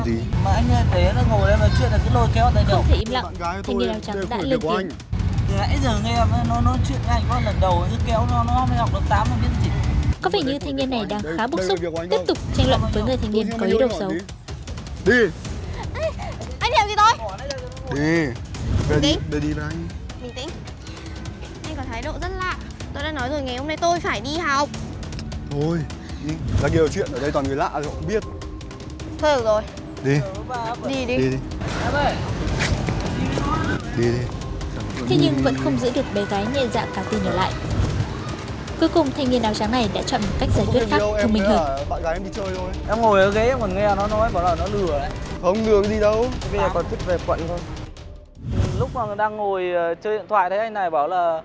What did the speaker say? hiện tại em đang chuẩn bị đi học lên trên thủ